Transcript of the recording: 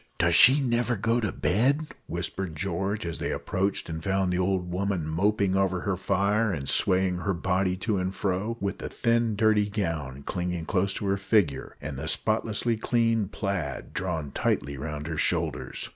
"Does she never go to bed?" whispered George, as they approached and found the old woman moping over her fire, and swaying her body to and fro, with the thin dirty gown clinging close to her figure, and the spotlessly clean plaid drawn tightly round her shoulders.